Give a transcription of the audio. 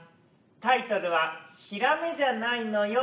タイトルは『ヒラメじゃないのよ